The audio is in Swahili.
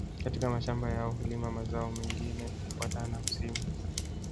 Katika mashamba yao hulima mazao mengine kufuatana na msimu